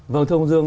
vâng thưa ông dương